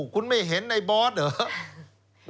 คุณไม่เห็นในบอสเหรอ